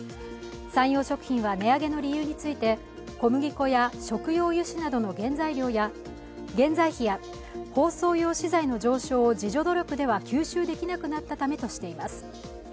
サンヨー食品は値上げの理由について小麦粉や食用油脂などの原材費や包装用資材の上昇を自助努力では吸収できなくなったためとしています。